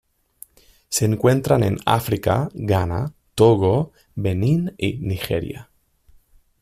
Se encuentran en África: Ghana, Togo, Benín y Nigeria.